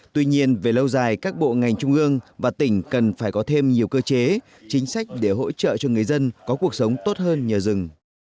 tuy nhiên về lâu dài các bộ ngành trung ương và tỉnh cần phải có thêm nhiều cơ chế chính sách để hỗ trợ cho người dân có cuộc sống tốt hơn nhờ rừng